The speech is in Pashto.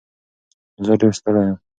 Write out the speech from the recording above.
زه ډېر ستړی یم.